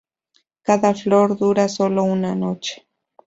Cada flor dura sólo una noche.